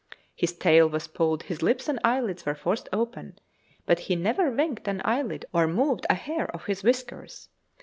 His tail was pulled, his lips and eyelids were forced open, but he never winked an eyelid or moved a hair of his whiskers.